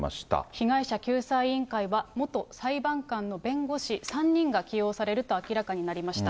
被害者救済委員会は、元裁判官の弁護士３人が起用されると明らかになりました。